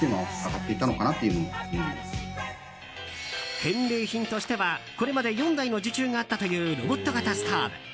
返礼品としては、これまで４台の受注があったというロボット型ストーブ。